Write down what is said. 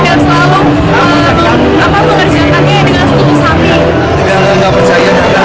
tidak tidak tak percaya